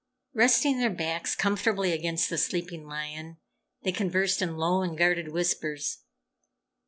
Resting their backs comfortably against the sleeping lion, they conversed in low and guarded whispers.